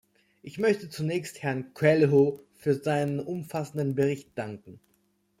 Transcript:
Ich möchte zunächst Herrn Coelho für seinen umfassenden Bericht danken.